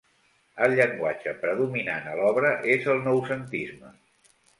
El llenguatge predominant a l'obra és el Noucentisme.